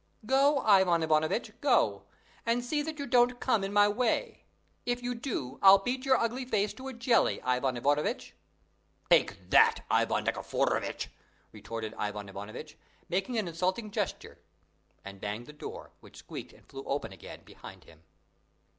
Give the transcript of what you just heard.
"Go, Ivan Ivanovitch, go! and see that you don't come in my way: if you do, I'll beat your ugly face to a jelly, Ivan Ivanovitch!" "Take that, Ivan Nikiforovitch!" retorted Ivan Ivanovitch, making an insulting gesture and banged the door, which squeaked and flew open again behind him.